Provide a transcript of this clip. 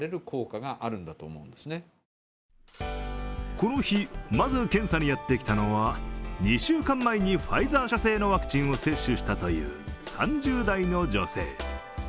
この日、まず検査にやってきたのは２週間前にファイザー社製のワクチンを接種したという３０代の女性。